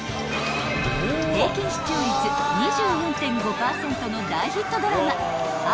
［平均視聴率２４．５％の大ヒットドラマ］